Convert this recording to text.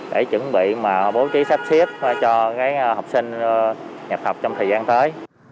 để chuẩn bị mà bố trí sắp xếp cho học sinh nhập học trong thời gian tới